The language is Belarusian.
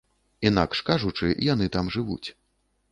Інакш кажучы, яны там жывуць.